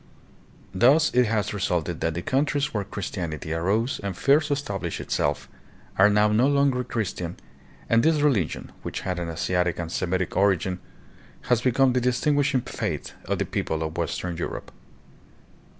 Thus it has resulted that the countries where Christianity 42 EUROPE AND THE FAR EAST ABOUT 1400 A.D. 43 arose and first established itself, are now no longer Chris tian, and this religion, which had an Asiatic and Semitic origin, has become the distinguishing faith of the people of western Europe.